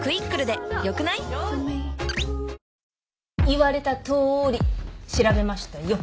言われたとおり調べましたよ。